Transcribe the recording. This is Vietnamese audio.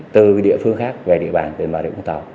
từ địa phương khác về địa bàn về mặt địa phương tàu